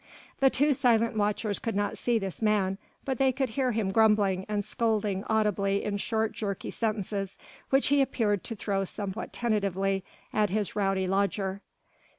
The two silent watchers could not see this man, but they could hear him grumbling and scolding audibly in short jerky sentences which he appeared to throw somewhat tentatively at his rowdy lodger.